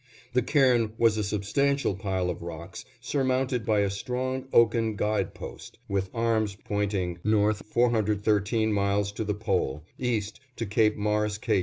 The cairn was a substantial pile of rocks, surmounted by a strong oaken guide post, with arms pointing "North 413 miles to the Pole"; "East, to Cape Morris K.